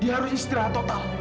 dia harus istirahat total